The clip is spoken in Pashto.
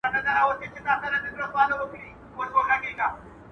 پښتنو د آزادۍ